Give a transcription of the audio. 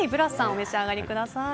お召し上がりください。